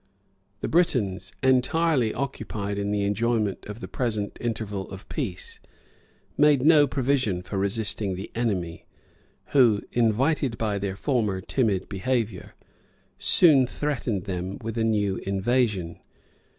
] The Britons, entirely occupied in the enjoyment of the present interval of peace, made no provision for resisting the enemy, who, invited by their former timid behavior, soon threatened them with a new invasion.